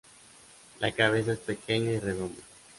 La cabeza es pequeña y redonda.